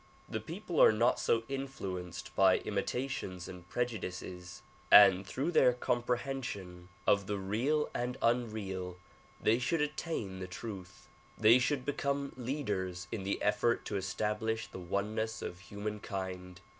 The people are not so influenced by imitations and prejudices, and through their comprehension of the real and un real they should attain the truth. They should become leaders in the effort to establish the oneness of humankind.